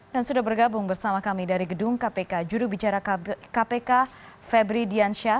dan sudah bergabung bersama kami dari gedung kpk juru bicara kpk febri diansyah